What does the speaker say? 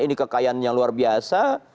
ini kekayaan yang luar biasa